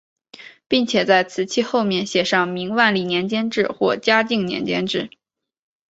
并且在瓷器后面写上明万历年间制或嘉靖年间制。